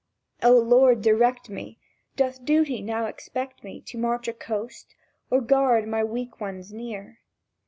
"O Lord, direct me! ... Doth Duty now expect me To march a coast, or guard my weak ones near?